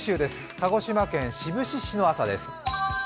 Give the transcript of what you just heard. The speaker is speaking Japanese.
鹿児島県志布志市の朝です。